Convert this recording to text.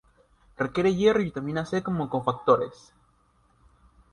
Requiere hierro y vitamina C como cofactores.